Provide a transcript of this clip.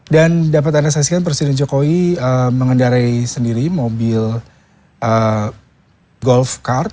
dan dapat anda saksikan presiden jokowi mengendarai sendiri mobil golf cart